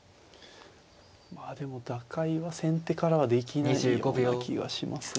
まあでも打開は先手からはできないような気がしますね。